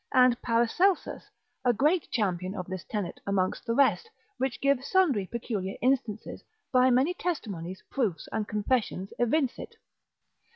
and Paracelsus, a great champion of this tenet amongst the rest, which give sundry peculiar instances, by many testimonies, proofs, and confessions evince it.